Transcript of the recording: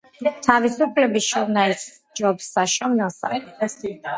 „თავისუფლების შოვნაი სჯობს საშოვნელსა ყველასა.“